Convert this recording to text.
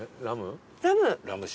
ラム！